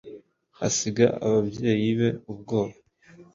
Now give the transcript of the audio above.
Asiga ababyeyi be ubwoba.